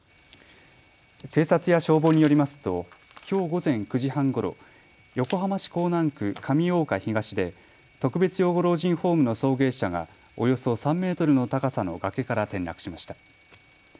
警察や消防によりますときょう午前９時半ごろ、横浜市港南区上大岡東で特別養護老人ホームの送迎車がおよそ３メートルの高さの崖から転落しました。